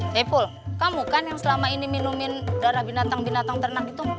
saipul kamu kan yang selama ini minumin darah binatang binatang ternak gitu